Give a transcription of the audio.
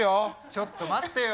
ちょっと待ってよ